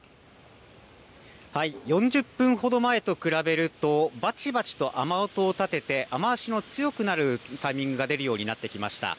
４０分ほど前と比べると、ばちばちと雨音をたてて、雨足の強くなるタイミングが出るようになってきました。